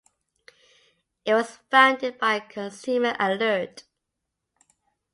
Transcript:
It was founded by Consumer Alert.